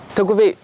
thưa quý vị